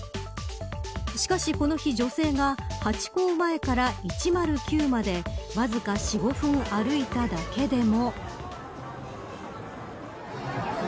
しかしこの日女性がハチ公前から１０９までわずか４、５分歩いただけでも。